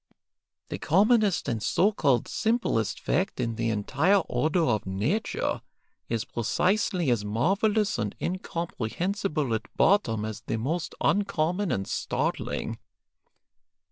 The commonest and so called simplest fact in the entire order of nature is precisely as marvellous and incomprehensible at bottom as the most uncommon and startling.